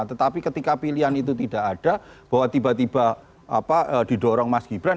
tetapi ketika pilihan itu tidak ada bahwa tiba tiba didorong mas gibran